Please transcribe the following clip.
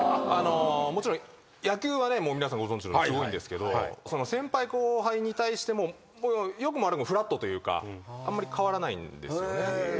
もちろん野球はね皆さんご存じのすごいんですけど先輩後輩に対しても良くも悪くもフラットというかあんまり変わらないんですよね。